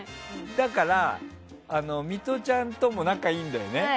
だから、ミトちゃんとも仲いいんだよね。